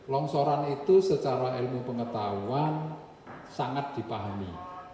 longsoran itu secara ilmu pengetahuan sangat dipahami